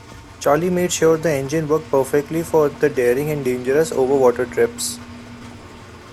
Charlie made sure the engine worked perfectly for the daring and dangerous over-water trips.